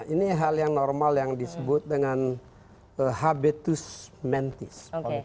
ini hal yang normal yang disebut dengan habitus mentis